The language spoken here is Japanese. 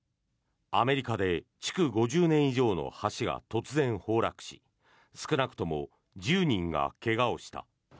アメリカで築５０年以上の橋が突然崩落し少なくとも１０人が怪我をした。